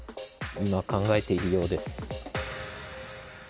今、考えているようです。